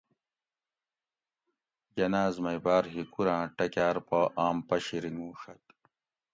جناۤز مئی باۤر ہِکوراۤں ٹکاۤر پا آم پشی رِنگوڛت